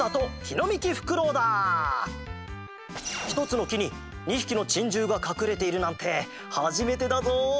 ひとつのきに２ひきのチンジューがかくれているなんてはじめてだぞ！